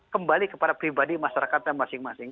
kembali kepada pribadi masyarakatnya masing masing